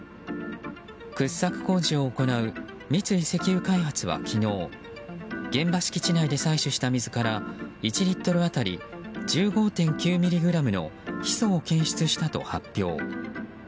掘削工事を行う三井石油開発は昨日現場敷地内で採取した水から１リットル当たり１５．９ｍｇのヒ素を検出したと発表。